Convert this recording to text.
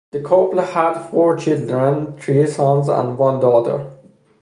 The couple had four children, three sons and one daughter.